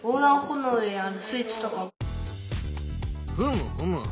ふむふむ。